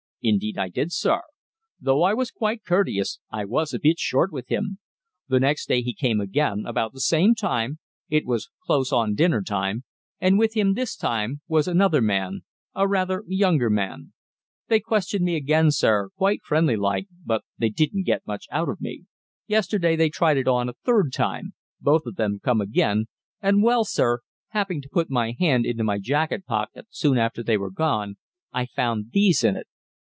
"Indeed I did, sir. Though I was quite courteous, I was a bit short with him. The next day he come again, about the same time it was close on dinner time and with him this time was another man a rather younger man. They questioned me again, sir, quite friendly like, but they didn't get much change out of me. Yesterday they tried it on a third time both of them come again and, well, sir, happing to put my hand into my jacket pocket soon after they were gone, I found these in it."